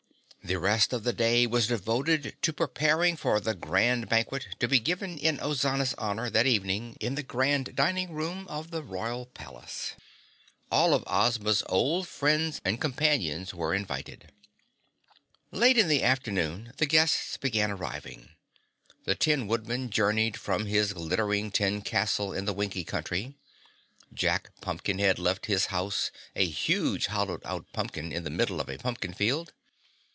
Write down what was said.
The rest of the day was devoted to preparing for the Grand Banquet to be given in Ozana's honor that evening in the Grand Dining Room of the Royal Palace. All of Ozma's old friends and companions were invited. Late in the afternoon the guests began arriving. The Tin Woodman journeyed from his glittering Tin Castle in the Winkie Country. Jack Pumpkinhead left his house, a huge, hollowed out pumpkin in the middle of a pumpkin field.